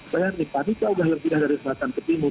bayar nih panitra sudah berakhir tidak dari selatan ke timur